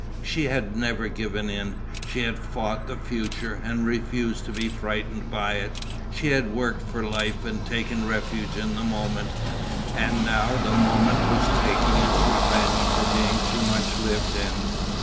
She had never given in. She had fought the future and refused to be frightened by it, she had worked for life and taken refuge in the moment, and now the moment was taking its revenge for being too much lived in.